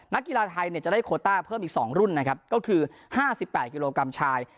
กีฬาไทยเนี่ยจะได้โคต้าเพิ่มอีก๒รุ่นนะครับก็คือ๕๘กิโลกรัมชาย